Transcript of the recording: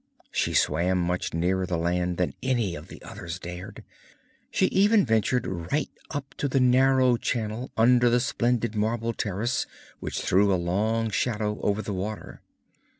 She swam much nearer the land than any of the others dared; she even ventured right up the narrow channel under the splendid marble terrace which threw a long shadow over the water.